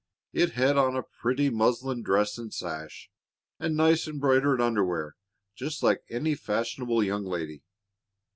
It had on a pretty muslin dress and sash, and nice embroidered underwear, just like any fashionable young lady.